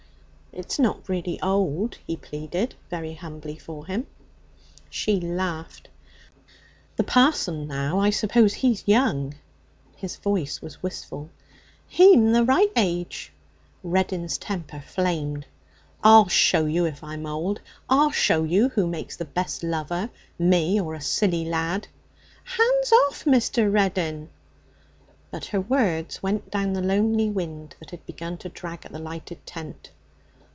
'It's not really old,' he pleaded, very humbly for him. She laughed. 'The parson, now, I suppose he's young?' His voice was wistful. 'He'm the right age.' Reddin's temper flamed. 'I'll show you if I'm old! I'll show you who makes the best lover, me or a silly lad!' 'Hands off, Mr. Reddin!' But her words went down the lonely wind that had begun to drag at the lighted tent.